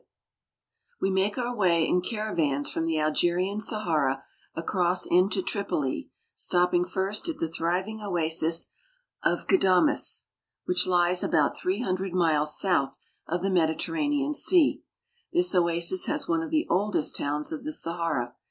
TRIPOLI AND ITS OASES y$ We make our way in caravans from the Algerian Sahara across into Tripoli, stopping first at the thriving ■oasis of Ghadames (ga da'm5s), which lies about three hundred miles south of the Mediterranean Sea. This oasis has one of the oldest towns of the Sahara.